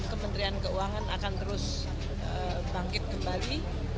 kementerian keuangan akan terus bangkit kembali